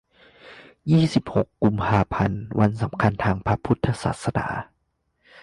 ยี่สิบหก กุมภาพันธ์ วันสำคัญทางพระพุทธศาสนา